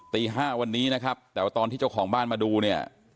ตี๕วันนี้นะครับแต่ว่าตอนที่เจ้าของบ้านมาดูเนี่ย